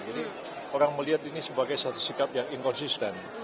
jadi orang melihat ini sebagai satu sikap yang inkonsisten